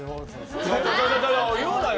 言うなよ。